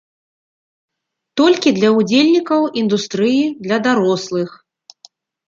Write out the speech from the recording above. Толькі для ўдзельнікаў індустрыі для дарослых.